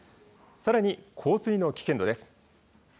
さらに洪水の危険度です。